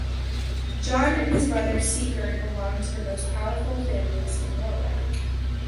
Jon and his brother Sigurd belonged to the most powerful families in Norway.